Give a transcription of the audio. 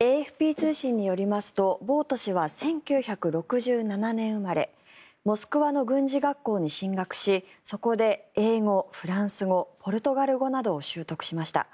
ＡＦＰ通信によりますとボウト氏は１９６７年生まれモスクワの軍事学校に進学しそこで英語、フランス語ポルトガル語などを習得しました。